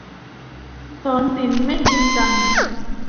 ศรศิลป์ไม่กินกัน